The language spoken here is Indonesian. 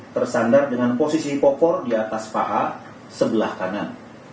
tersandar dengan posisi popor di atas paha sebelah kanan